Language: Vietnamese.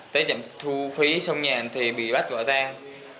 tới trạm thu phí sông nhạn thì bị bắt quả tàng